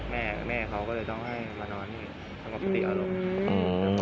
ไม่แม่เขาก็เลยต้องให้มานอนประมาณปกติอารมณ์